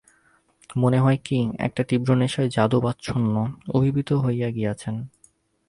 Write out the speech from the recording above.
মনে হয় কী একটা তীব্র নেশায় যাদব আচ্ছন্ন, অভিভূত হইয়া গিয়াছেন।